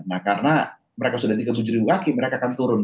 nah karena mereka sudah tiga puluh tujuh ribu kaki mereka akan turun